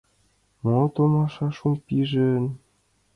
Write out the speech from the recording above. Мо томаша, шум пижын.